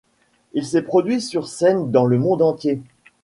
Il s’est produit sur scène dans le monde entier.